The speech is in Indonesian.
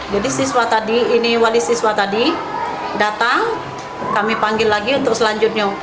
jadi siswa tadi ini wali siswa tadi datang kami panggil lagi untuk selanjutnya